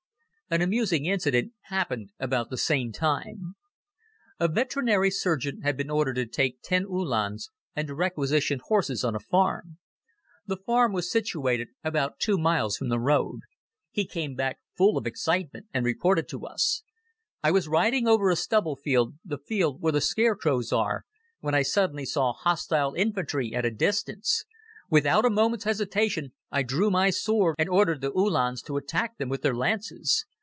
An amusing incident happened about the same time. A veterinary surgeon had been ordered to take ten Uhlans and to requisition horses on a farm. The farm was situated about two miles from the road. He came back full of excitement and reported to us: "I was riding over a stubble field, the field where the scarecrows are, when I suddenly saw hostile infantry at a distance. Without a moment's hesitation I drew my sword and ordered the Uhlans to attack them with their lances.